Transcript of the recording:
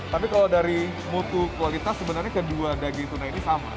tapi kalau dari mutu kualitas sebenarnya kedua daging tuna ini sama